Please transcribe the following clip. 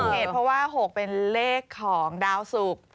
เหตุเพราะว่า๖เป็นเลขของดาวสุก